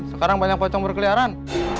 sekarang banyak pocong berkeliaran